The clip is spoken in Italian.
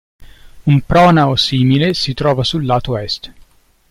Un pronao simile si trova sul lato est.